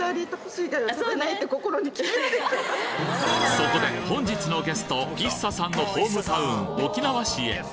そこで本日のゲストＩＳＳＡさんのホームタウン沖縄市へ。